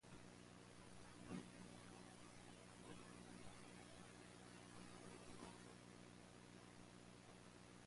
Computers usually manipulate bits in groups of a fixed size, conventionally named "words".